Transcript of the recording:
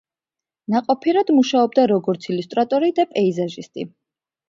ნაყოფიერად მუშაობდა როგორც ილუსტრატორი და პეიზაჟისტი.